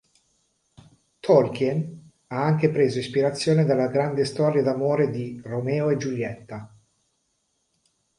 Tolkien ha anche preso ispirazione dalla grande storia d'amore di "Romeo e Giulietta".